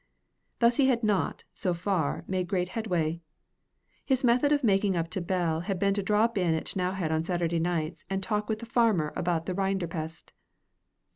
Thus he had not, so far, made great headway. His method of making up to Bell had been to drop in at T'nowhead on Saturday nights and talk with the farmer about the rinderpest.